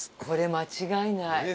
これ間違いない。